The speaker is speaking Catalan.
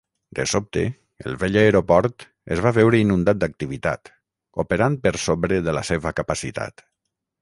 De sobte, el vell aeroport es va veure inundat d'activitat, operant per sobre de la seva capacitat.